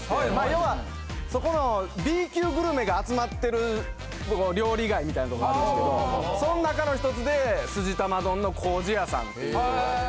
要はそこのＢ級グルメが集まってる料理街みたいな所あるんですけどそん中の１つですじ玉丼の糀屋さんっていう。